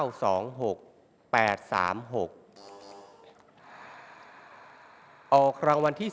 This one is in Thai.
อวที่๔ครั้งที่๒๖